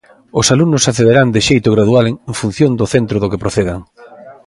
Os alumnos accederán de xeito gradual en función do centro do que procedan.